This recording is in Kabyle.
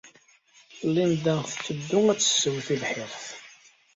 Linda tetteddu ad tesseww tibḥirt.